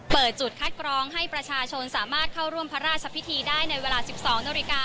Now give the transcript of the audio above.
จุดคัดกรองให้ประชาชนสามารถเข้าร่วมพระราชพิธีได้ในเวลา๑๒นาฬิกา